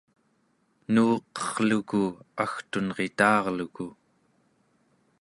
enuqerluku agtunrita'arluku